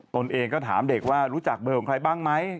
ตนเองก็ถามเด็กว่ารู้จักเบอร์ของใครบ้างไหม